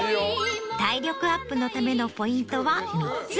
体力アップのためのポイントは３つ。